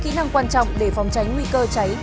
kỹ năng quan trọng để phòng tránh nguy cơ cháy